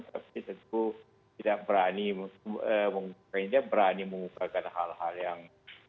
tapi tentu tidak berani mengukakan hal hal yang